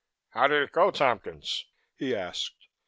"How did it go, Tompkins?" he asked.